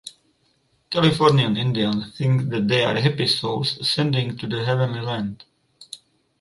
Californian Indians think that they are happy souls ascending to the heavenly land.